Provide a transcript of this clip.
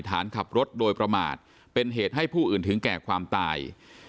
ฐานขับรถโดยประมาทเป็นเหตุให้ผู้อื่นถึงแก่ความตาย